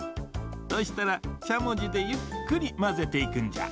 そしたらしゃもじでゆっくりまぜていくんじゃ。